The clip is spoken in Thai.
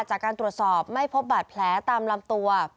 จากการตรวจสอบไม่พบบาดแผลตามลำตัว